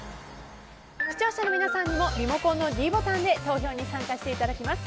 視聴者の皆さんにもリモコンのｄボタンで投票に参加していただきます。